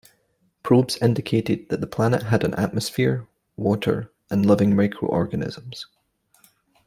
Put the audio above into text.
Probes indicated that the planet had an atmosphere, water and living micro organisms.